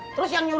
terus yang nyuruh